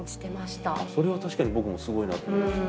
それは確かに僕もすごいなと思いました。